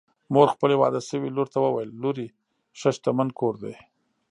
مور خپلې واده شوې لور ته وویل: لورې! ښه شتمن کور دی